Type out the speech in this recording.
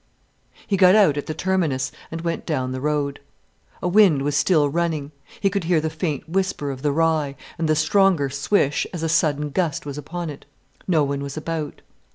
He got out at the terminus and went down the road. A wind was still running. He could hear the faint whisper of the rye, and the stronger swish as a sudden gust was upon it. No one was about.